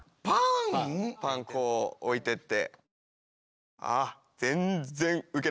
パンこう置いてって。